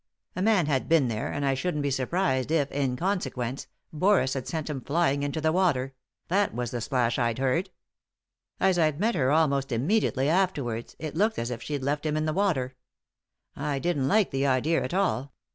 A man had been there, and I shouldn't be surprised if, in consequence, Boris had sent him flying into the water — that was the splash I'd heard. As I'd met her almost im mediately afterwards it looked as if she'd left him in the water. I didn't like the idea at all.